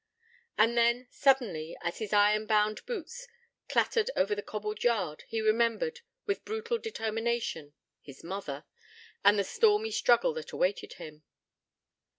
And then, suddenly, as his iron bound boots clattered over the cobbled yard, he remembered, with brutal determination, his mother, and the stormy struggle that awaited him.